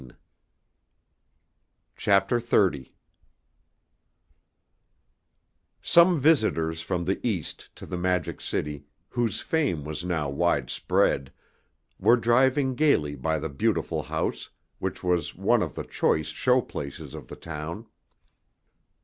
Some visitors from the East to the Magic City, whose fame was now widespread, were driving gaily by the beautiful house, which was one of the choice show places of the town.